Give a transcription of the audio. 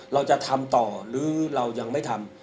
เราจะทำต่อหรือเรายังไม่ทำ